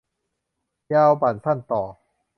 ยาวบั่น สั้นต่อ